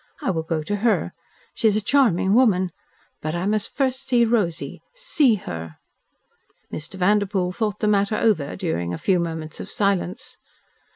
I will go to her. She is a charming woman. But I must first see Rosy SEE her." Mr. Vanderpoel thought the matter over during a few moments of silence.